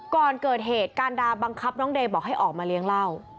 ก่อนเกิดเหตุการดาบังคับน้องเดย์บอกให้ออกมาเลี้ยงเหล้า